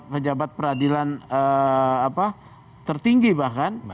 pejabat peradilan tertinggi bahkan